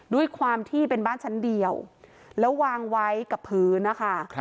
ด้วยความที่เป็นบ้านชั้นเดียวแล้ววางไว้กับพื้นนะคะ